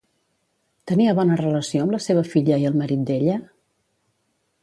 Tenia bona relació amb la seva filla i el marit d'ella?